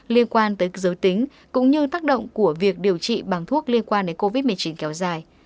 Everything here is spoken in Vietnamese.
liên quan tới giới tính cũng như tác động của việc điều trị bằng thuốc liên quan đến covid một mươi chín kéo dài